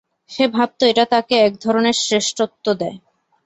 সে ভাবত এটা তাকে একধরনের শ্রেষ্ঠত্ব দেয়।